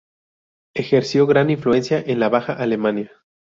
Ejerció gran influencia en la baja Alemania.